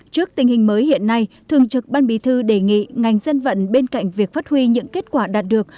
trước tình hình mới hiện nay thường trực ban bí thư đề nghị ngành dân vận bên cạnh việc phát huy những kết quả đạt được